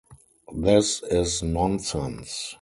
This is nonsense.